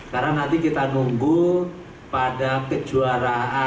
karena nanti kita nunggu pada kejuaraan